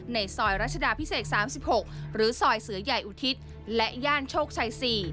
ในซอยรัชดาพิเศษ๓๖หรือซอยเสือใหญ่อุทิศและย่านโชคชัย๔